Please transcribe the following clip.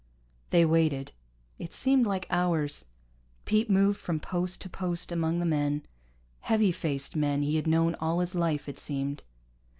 They waited. It seemed like hours. Pete moved from post to post among the men, heavy faced men he had known all his life, it seemed.